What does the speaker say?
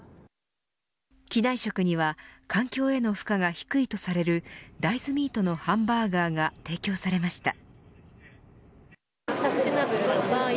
機内食には環境への負荷が低いとされる大豆ミートのハンバーガーが提供されました。